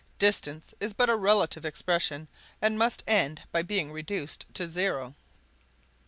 Distance is but a relative expression, and must end by being reduced to zero."